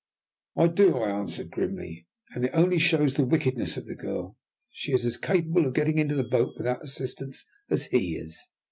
"I do," I answered grimly. "And it only shows the wickedness of the girl. She is as capable of getting into the boat without assistance as he is."